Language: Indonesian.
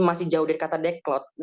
masih jauh dari kata deklot